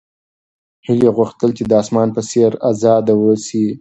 هیلې غوښتل چې د اسمان په څېر ازاده اوسي.